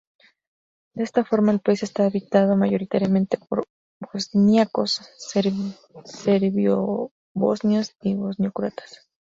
De esta forma, el país está habitado mayoritariamente por bosníacos, serbio-bosnios y bosnio-croatas.